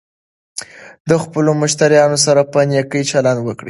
د خپلو مشتریانو سره په نېکۍ چلند وکړئ.